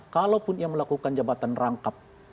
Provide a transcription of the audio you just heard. kalaupun ia melakukan jabatan rangkap